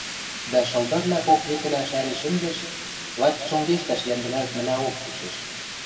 дӓ шылдырла кок векӹлӓ шӓрен шӹндӹш, лач чонгештӓш йӓмдӹлӓлтмӹлӓок чучеш.